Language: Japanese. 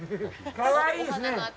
かわいいですね。